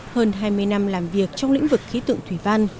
hơn hai mươi năm làm việc trong lĩnh vực khí tượng thủy văn